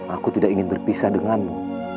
aku tidak ingin berpisah denganmu